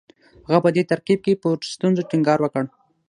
هغه په دې ترکیب کې پر ستونزو ټینګار وکړ